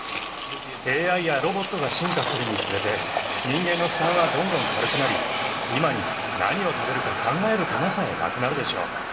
ＡＩやロボットが進化するにつれて人間の負担はどんどん軽くなり今に何を食べるか考える手間さえなくなるでしょう。